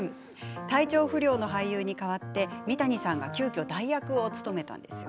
体調不良の俳優に代わり三谷さんが急きょ代役を務めたためです。